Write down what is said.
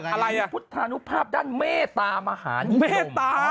มีพุทธานุภาพด้านเมตตามหานิดลม